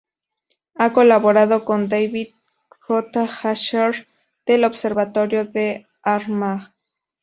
Ha colaborado con David J. Asher del Observatorio de Armagh.